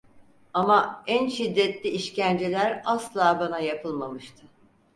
Ama, en şiddetli işkenceler asla bana yapılmamıştı.